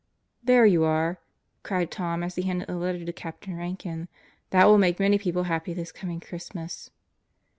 ... "There you are!" cried Tom as he handed the letter to Captain Rankin. "That will make many people happy this coming Christmas."